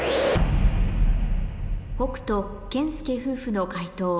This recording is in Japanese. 北斗・健介夫婦の解答